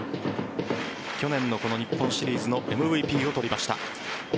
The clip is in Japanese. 去年の日本シリーズのＭＶＰを取りました。